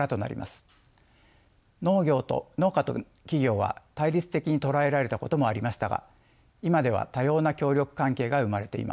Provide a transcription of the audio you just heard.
農家と企業は対立的に捉えられたこともありましたが今では多様な協力関係が生まれています。